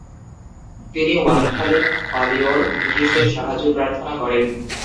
তিনি ওয়ান্থালি পালিয়র ব্রিটিশদের সাহায্য প্রার্থনা করেন।